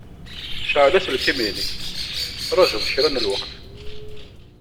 Cɛel aselkim-inek, traǧuḍ kra n lweqt!